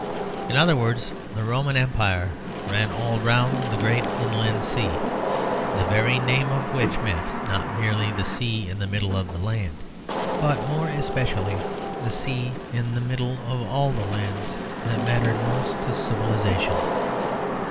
In other words, the Roman Empire ran all round the great inland sea; the very name of which meant, not merely the sea in the middle of the land, but more especially the sea in the middle of all the lands that mattered most to civilisation.